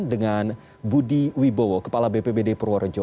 dengan budi wibowo kepala bpbd purworejo